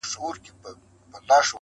هم یې ماښام هم یې سهار ښکلی دی-